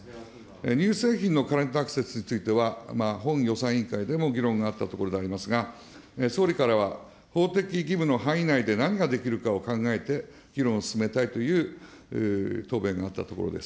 乳製品のカレント・アクセスについては、本予算委員会でも議論があったところでありますが、総理からは、法的義務の範囲内で何ができるかを考えて議論を進めたいという答弁があったところです。